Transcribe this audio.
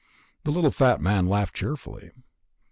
The little fat man laughed cheerfully.